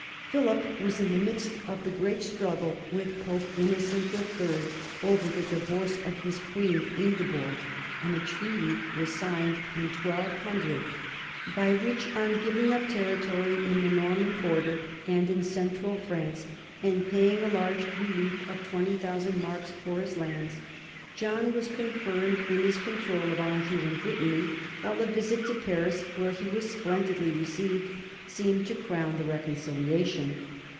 Philip was in the midst of the great struggle with Pope NORMANDY AND FRANCE 137 Innocent III over the divorce of his queen Ingeborg, and a treaty was signed in 1200, by which, on giving up territory in the Norman border and in central France and paying a large relief of 20,000 marks for his lands, John was confirmed in his control of Anjou and Brit tany, while a visit to Paris, where he was splendidly received, seemed to crown the reconciliation.